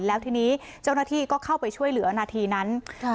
แล้วทีนี้เจ้าหน้าที่ก็เข้าไปช่วยเหลือนาทีนั้น